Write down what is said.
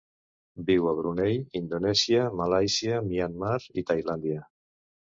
Viu a Brunei, Indonèsia, Malàisia, Myanmar i Tailàndia.